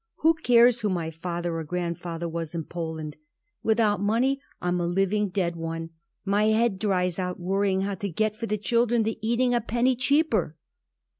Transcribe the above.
Who cares who my father or grandfather was in Poland? Without money I'm a living dead one. My head dries out worrying how to get for the children the eating a penny cheaper."